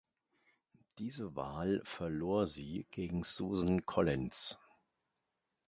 Diese Wahl verlor sie gegen Susan Collins.